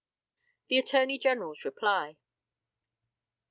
THE ATTORNEY GENERAL'S REPLY.